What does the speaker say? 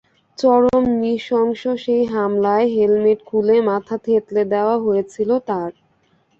চরম নৃশংস সেই হামলায় হেলমেট খুলে মাথা থেঁতলে দেওয়া হয়েছিল তাঁর।